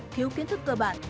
thiếu kiến thức cơ bản